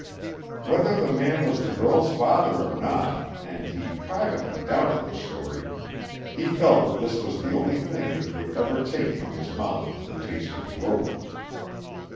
Whether the man was the girl's father or not (and he privately doubted the story) he felt that this was the only thing which would ever take from his mouth the taste of rope.